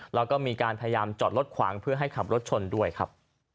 แล้วก็มีการพยายามจอดรถขวางเพื่อให้ขับรถชนด้วยครับ